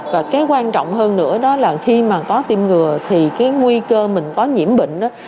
và cái quan trọng hơn nữa đó là khi mà có tiêm ngừa thì cái nguy cơ mình có nhiễm bệnh